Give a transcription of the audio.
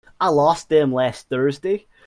I lost them last Thursday.